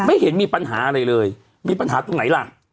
ไม่เห็นมีปัญหาอะไรเลยมีปัญหาตรงไหนล่ะ